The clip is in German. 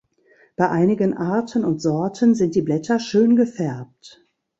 Bei einigen Arten und Sorten sind die Blätter schön gefärbt.